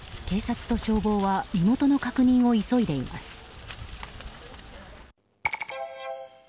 警察と消防は身元の確認を急いでいます。